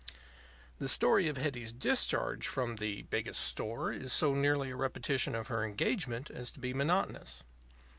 The story of Hetty's discharge from the Biggest Store is so nearly a repetition of her engagement as to be monotonous.